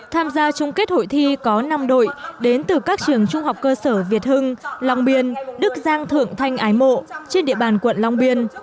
tham gia chung kết hội thi có năm đội đến từ các trường trung học cơ sở việt hưng long biên đức giang thượng thanh ái mộ trên địa bàn quận long biên